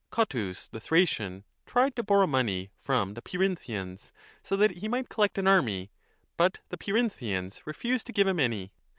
Cotys, the Thracian, tried to borrow money from the as Peirinthians so that he might collect an army ; but the Peirinthians refused to give him any.